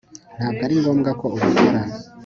Ntabwo ari ngombwa ko ubikora